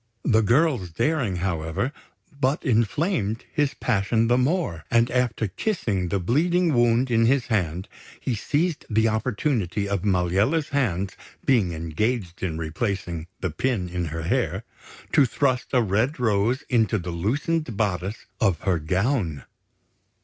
The girl's daring, however, but inflamed his passion the more; and after kissing the bleeding wound in his hand, he seized the opportunity of Maliella's hands being engaged in replacing the pin in her hair, to thrust a red rose into the loosened bodice of her gown.